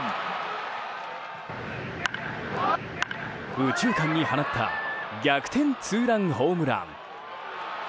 右中間に放った逆転ツーランホームラン。